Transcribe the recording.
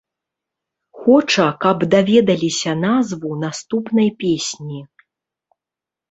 Хоча, каб даведаліся назву наступнай песні.